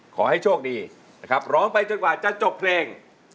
ขอให้โชคดีนะครับร้องไปจนกว่าจะจบเพลง